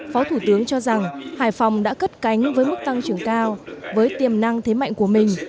phó thủ tướng cho rằng hải phòng đã cất cánh với mức tăng trưởng cao với tiềm năng thế mạnh của mình